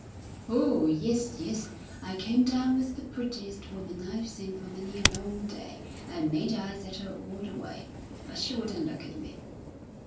"Oh, yes, yes! I came down with the prettiest woman I've seen for many a long day. I made eyes at her all the way, but she wouldn't look at me."